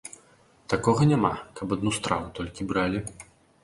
Такога няма, каб адну страву толькі бралі.